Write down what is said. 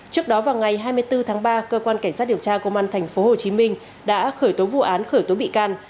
trước đó vào ngày hai mươi bốn tháng ba cơ quan cảnh sát điều tra công an tp hcm đã khởi tố vụ án khởi tố bị can